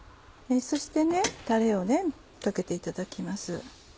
そしてたれをかけていただきます。